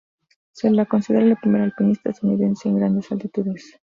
Se la considera la primera alpinista estadounidense en grandes altitudes.